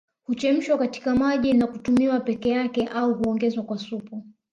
Huchemshwa katika maji na kutumiwa peke yake au huongezwa kwa supu